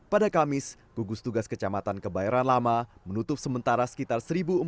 pada kamis kugus tugas kecamatan kebayoran lama menutup sementara sekitar satu empat puluh tiga